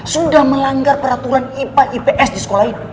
sudah melanggar peraturan ipa ips di sekolah itu